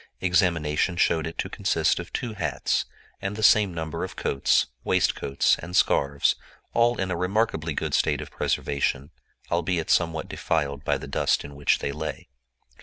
Examination showed it to consist of two hats, and the same number of coats, waistcoats, and scarves all in a remarkably good state of preservation, albeit somewhat defiled by the dust in which they lay.